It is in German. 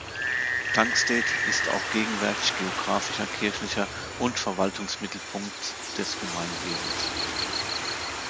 Tangstedt ist auch gegenwärtig geographischer, kirchlicher und Verwaltungsmittelpunkt des Gemeinwesens.